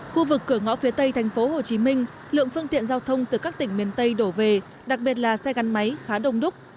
khu vực cửa ngõ phía tây thành phố hồ chí minh lượng phương tiện giao thông từ các tỉnh miền tây đổ về đặc biệt là xe gắn máy khá đông đúc